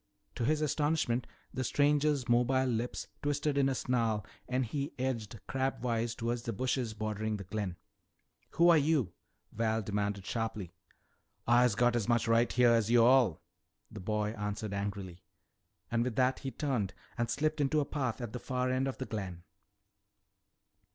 To his astonishment the stranger's mobile lips twisted in a snarl and he edged crabwise toward the bushes bordering the glen. "Who are you?" Val demanded sharply. "Ah has got as much right heah as yo' all," the boy answered angrily. And with that he turned and slipped into a path at the far end of the glen.